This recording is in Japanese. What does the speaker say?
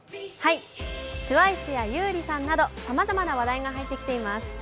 ＴＷＩＣＥや優里さんなどさまざまな話題が入ってきています。